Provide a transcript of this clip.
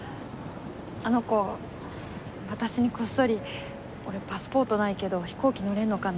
あの子私にこっそり「俺パスポートないけど飛行機乗れるのかな？」